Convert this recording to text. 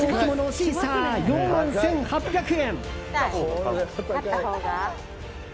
シーサー４万１８００円。